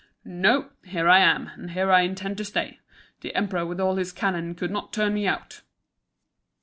no! here I am, and here I intend to stay. The emperor with all his cannon could not turn me out."